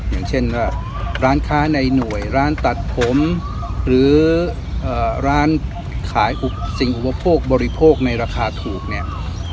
อย่างเช่นว่าร้านค้าในหน่วยร้านตัดผมหรือร้านขายสิ่งอุปโภคบริโภคในราคาถูกเนี่ย